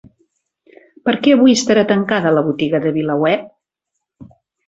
Per què avui estarà tancada la botiga de VilaWeb?